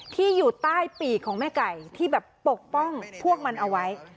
ที่อยู่ใต้ปีกของแม่ไก่ที่แบบปกป้องพวกมันเอาไว้